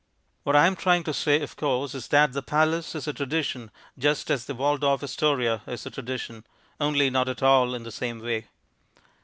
What I am trying to say, of course, is that the Palace is a tradition just as the Waldorf Astoria is a tradition, only not at all in the same way.